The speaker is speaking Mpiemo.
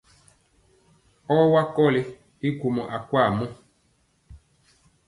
Ɔwa kɔli i gwomɔ akwaa mɔ.